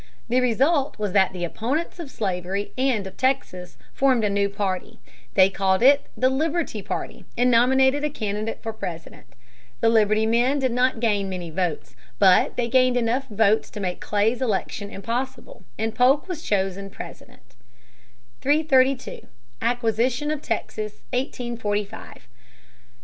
The result was that the opponents of slavery and of Texas formed a new party. They called it the Liberty party and nominated a candidate for President. The Liberty men did not gain many votes. But they gained enough votes to make Clay's election impossible and Polk was chosen President. [Sidenote: Texas admitted by joint resolution, 1845. McMaster, 325.] 332. Acquisition of Texas, 1845.